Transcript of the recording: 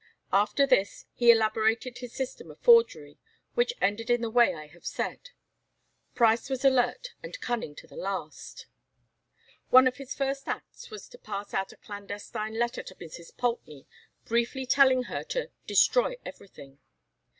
After this he elaborated his system of forgery, which ended in the way I have said. Price was alert and cunning to the last. One of his first acts was to pass out a clandestine letter to Mrs. Poultney, briefly telling her to "destroy everything."